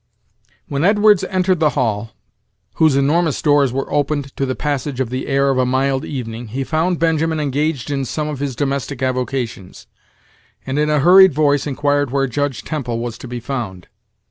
When Edwards entered the hall, whose enormous doors were opened to the passage of the air of a mild evening, he found Benjamin engaged in some of his domestic avocations, and in a hurried voice inquired where Judge Temple was to be found.